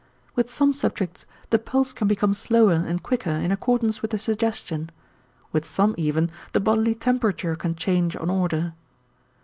With some subjects, the pulse can become slower and quicker in accordance with the suggestion; with some even the bodily temperature can change on order.